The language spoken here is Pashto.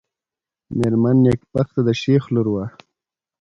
مېرمن نېکبخته د شېخ لور وه.